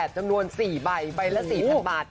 จำนวน๔ใบใบละ๔๐๐๐บาท